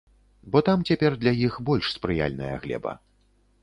Бо там цяпер для іх больш спрыяльная глеба.